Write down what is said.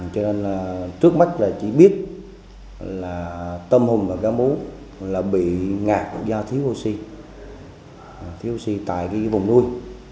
cho nên là trước mắt là chỉ biết là tâm hùng và ga mũ là bị ngạt do thiếu oxy thiếu oxy tại cái vùng nuôi